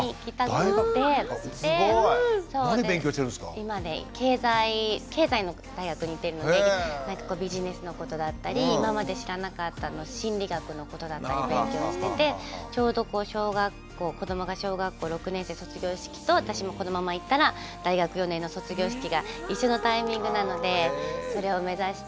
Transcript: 今ね経済経済の大学に行ってるのでビジネスのことだったり今まで知らなかった心理学のことだったり勉強しててちょうど子どもが小学校６年生卒業式と私もこのままいったら大学４年の卒業式が一緒のタイミングなのでそれを目指して。